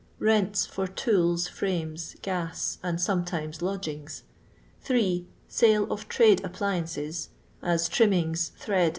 Kents for tools, firiunes, gas, and sometimes lodgings. 3. Sale of trade appliances (as trimmings, thread, &c.)